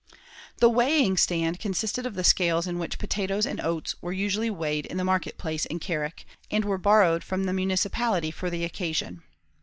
The weighing stand consisted of the scales in which potatoes and oats were usually weighed in the market place in Carrick, and were borrowed from the municipality for the occasion.